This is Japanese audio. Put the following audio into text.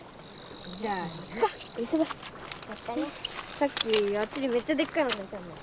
さっきあっちにめっちゃでっかいのがいたんだよ。